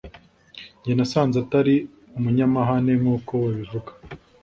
njye nasanze atari umunyamahane nkuko babivuga